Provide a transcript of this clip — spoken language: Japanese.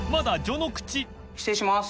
失礼します。